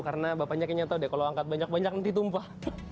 karena bapaknya kayaknya tahu deh kalau angkat banyak banyak nanti tumpah